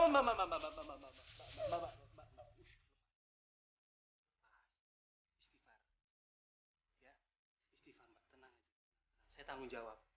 mas gak mau tanggung jawab